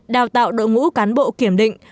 đào tạo đội ngũ cán bộ kiểm định